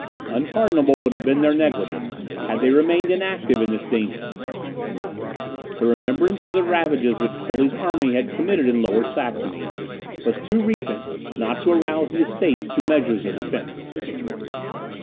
Unpardonable would have been their negligence, had they remained inactive in this danger. The remembrance of the ravages which Tilly's army had committed in Lower Saxony was too recent not to arouse the Estates to measures of defence.